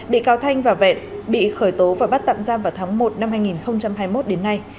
bị cáo thanh và vẹn bị khởi tố và bắt tạm giam vào tháng một năm hai nghìn hai mươi một đến nay